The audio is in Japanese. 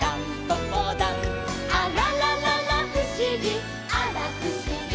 「あららららふしぎあらふしぎ」